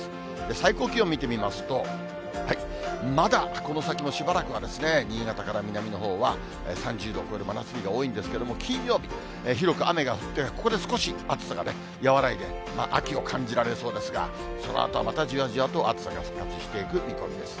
最高気温見てみますと、まだこの先もしばらくは、新潟から南のほうは３０度を超える真夏日が多いんですけれども、金曜日、広く雨が降って、ここで少し暑さがね、和らいで、秋を感じられそうですが、そのあとはまたじわじわと暑さが復活していく見込みです。